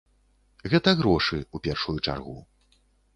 Гэта грошы, у першую чаргу.